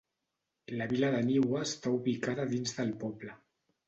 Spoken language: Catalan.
La vila d'Aniwa està ubicada dins del poble.